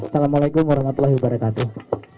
assalamualaikum warahmatullahi wabarakatuh